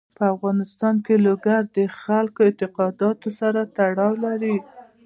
په افغانستان کې لوگر د خلکو د اعتقاداتو سره تړاو لري.